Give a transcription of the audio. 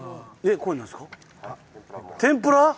天ぷらを。